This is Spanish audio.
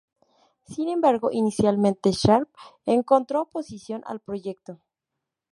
Sin embargo, inicialmente Sharp encontró oposición al proyecto.